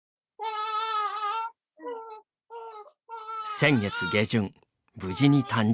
先月下旬、無事に誕生。